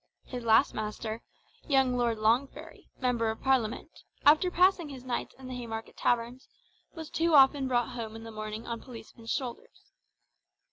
His last master, young Lord Longferry, Member of Parliament, after passing his nights in the Haymarket taverns, was too often brought home in the morning on policemen's shoulders.